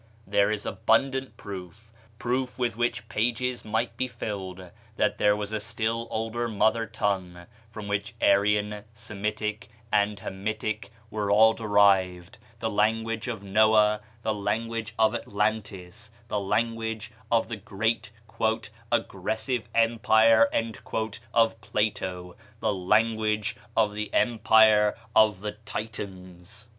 There is abundant proof proof with which pages might be filled that there was a still older mother tongue, from which Aryan, Semitic, and Hamitic were all derived the language of Noah, the language of Atlantis, the language of the great "aggressive empire" of Plato, the language of the empire of the Titans.